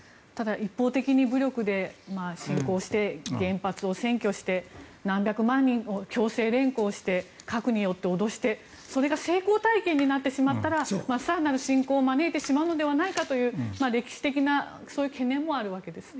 一方的に武力で侵攻して原発を占拠して何百万人を強制連行して核によって脅してそれが成功体験になってしまったら更なる侵攻を招いてしまうのではないかという歴史的なそういう懸念もあるわけですね。